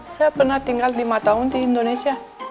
saya pernah tinggal lima tahun di indonesia